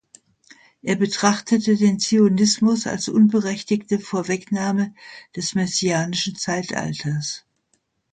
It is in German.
Er betrachtete den Zionismus als unberechtigte Vorwegnahme des messianischen Zeitalters.